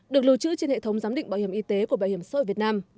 được lưu trữ trên hệ thống giám định bảo hiểm y tế của bảo hiểm xã hội việt nam